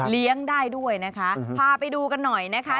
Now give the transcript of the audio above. เลี้ยงได้ด้วยนะคะพาไปดูกันหน่อยนะคะ